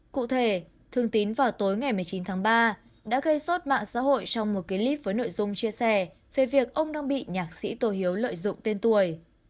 cụ thể thương tín vào tối ngày một mươi chín tháng ba đã gây sốt mạng xã hội trong một clip với nội dung chia sẻ về việc ông đang bị nhạc sĩ tô hiếu lợi dụng tên tuổi